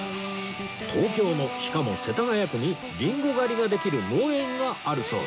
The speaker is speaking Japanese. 東京のしかも世田谷区にリンゴ狩りができる農園があるそうです